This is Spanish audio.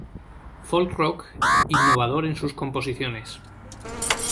Folk-rock, innovador en sus composiciones.